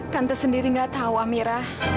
tante sendiri enggak tahu amira